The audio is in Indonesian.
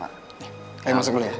ayo masuk dulu ya